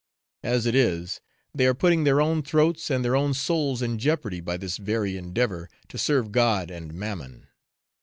As it is, they are putting their own throats and their own souls in jeopardy by this very endeavour to serve God and Mammon.